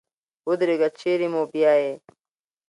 ودرېږه چېري مو بیایې ؟